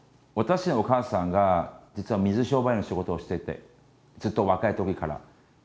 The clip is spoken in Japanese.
私のお母さんが実は水商売の仕事をしててずっと若いときから。